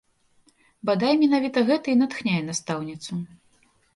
Бадай, менавіта гэта і натхняе настаўніцу.